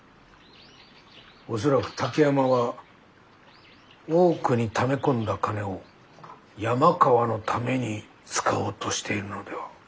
恐らく滝山は大奥にため込んだ金を山川のために使おうとしているのでは？